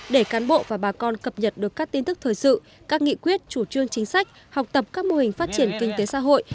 để cán bộ và bà con cập nhật được các tin tức thời sự các nghị quyết chủ trương chính sách học tập các mô hình phát triển kinh tế xã hội